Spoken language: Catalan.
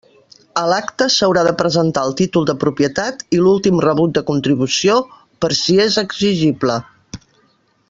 A l'acte s'haurà de presentar el títol de propietat i l'últim rebut de contribució, per si és exigible.